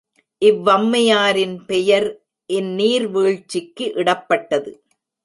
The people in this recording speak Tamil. இவ்வம்மையாரின் பெயர் இந்நீர் வீழ்ச்சிக்கு இடப்பட்டது.